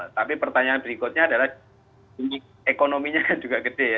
tapi pertanyaan berikutnya adalah ekonominya kan juga gede ya